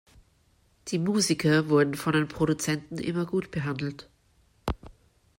Die Musiker wurden von den Produzenten immer gut behandelt.